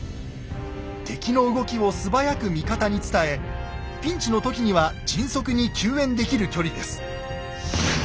敵の動きを素早く味方に伝えピンチの時には迅速に救援できる距離です。